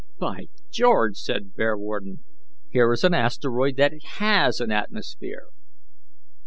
"By George!" said Bearwarden, "here is an asteroid that HAS an atmosphere."